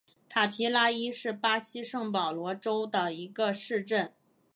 塔皮拉伊是巴西圣保罗州的一个市镇。